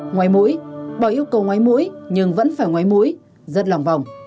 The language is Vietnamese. ngoái mũi bỏ yêu cầu ngoái mũi nhưng vẫn phải ngoái mũi rất lòng vòng